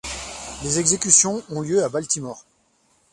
Les exécutions ont lieu à Baltimore.